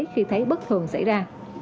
khi thấy bất thường xảy ra